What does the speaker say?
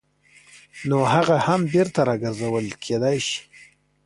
نو هغه هم بېرته راګرځول کېدای شي.